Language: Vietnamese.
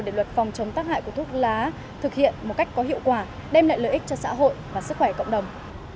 tôi chắc chắn rằng là theo ông làm thế nào để luật phòng chống tác hại của thuốc lá thực hiện một cách có hiệu quả đem lại lợi ích cho xã hội và sức khỏe cộng đồng